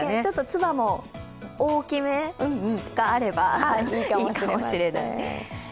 つばも大きめがあればいいかもしれない。